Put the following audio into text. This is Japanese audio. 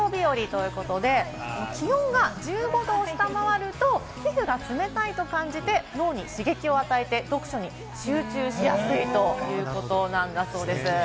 気温が１５度を下回ると皮膚が冷たいと感じて脳に刺激を与えて読書に集中しやすいということなんだそうです。